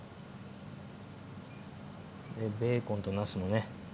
ベーコンとなすもね。